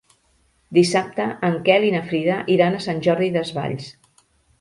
Dissabte en Quel i na Frida iran a Sant Jordi Desvalls.